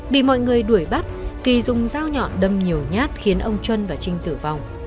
bị mọi người đuổi bắt kỳ dùng dao nhọn đâm nhiều nhát khiến ông trân và trinh tử vong